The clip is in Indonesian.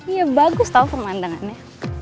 iya bagus tau pemandangannya